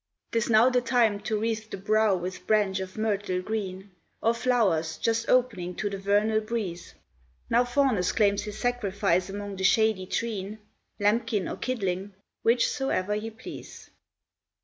'Tis now the time to wreathe the brow with branch of myrtle green, Or flowers, just opening to the vernal breeze; Now Faunus claims his sacrifice among the shady treen, Lambkin or kidling, which soe'er he please.